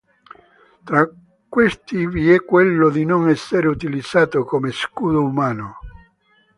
Tra questi vi è quello di non essere utilizzato come scudo umano.